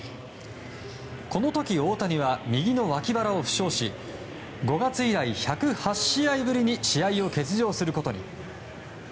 この時、大谷は右の脇腹を負傷し５月以来１０８試合ぶりに試合を欠場することに。